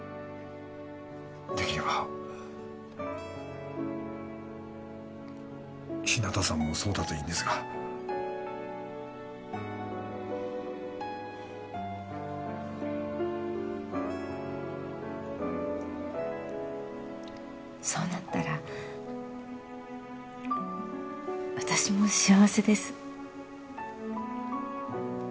できれば日向さんもそうだといいんですがそうなったら私も幸せです